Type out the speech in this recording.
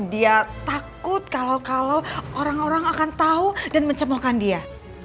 dia takut kalau kalau orang orang akan tahu dan mencemohkan dia